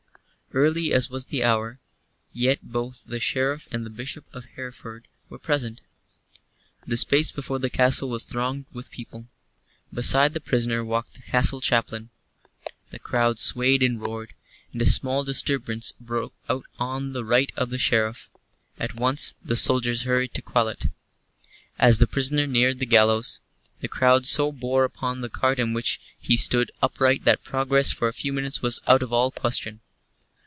Early as was the hour, yet both the Sheriff and the Bishop of Hereford were present. The space before the castle was thronged with people. Beside the prisoner walked the castle chaplain. The crowd swayed and roared, and a small disturbance broke out on the right of the Sheriff. At once the soldiers hurried to quell it. As the prisoner neared the gallows, the crowd so bore upon the cart in which he stood upright that progress for a few minutes was out of all question.